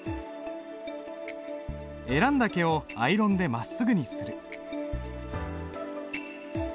選んだ毛をアイロンでまっすぐにする。